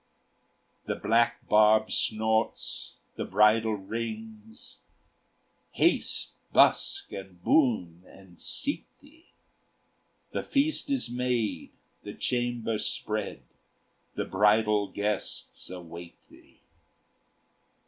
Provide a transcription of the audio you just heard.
"The black barb snorts, the bridle rings, Haste, busk, and boune, and seat thee! The feast is made, the chamber spread, The bridal guests await thee."